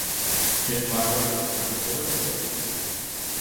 It flowers between October and February.